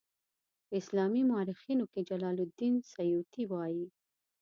په اسلامي مورخینو کې جلال الدین سیوطي وایي.